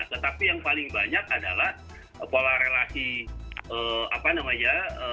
tetapi yang paling banyak adalah pola relasi apa namanya